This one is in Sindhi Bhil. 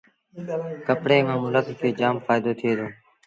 ڪپڙي مآݩ ملڪ کي جآم ڦآئيٚدو ٿئي دو